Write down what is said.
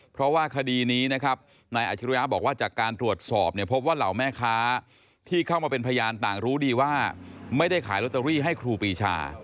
เพราะว่าคดีนี้นะครับนายอาชิริยะบอกว่าจากการตรวจสอบเนี่ยพบว่าเหล่าแม่ค้าที่เข้ามาเป็นพยานต่างรู้ดีว่าไม่ได้ขายลอตเตอรี่ให้ครูปีชา